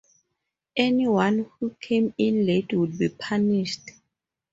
Anyone who came in late would be punished.